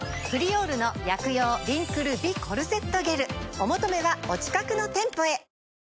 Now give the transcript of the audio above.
お求めはお近くの店舗へ。